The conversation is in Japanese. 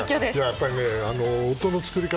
やっぱり音の作り方